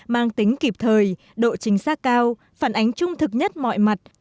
mang tính kịp thời độ chính xác cao phản ánh trung thực nhất mọi mặt